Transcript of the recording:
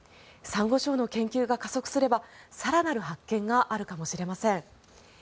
サンゴ礁の研究が加速すれば更なる発見があるかもしれません。